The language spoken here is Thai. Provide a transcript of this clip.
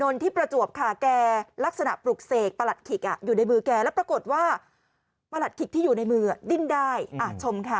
แล้วปรากฏว่ามะหลัดคิกที่อยู่ในมือดิ้นได้อ่าชมค่ะ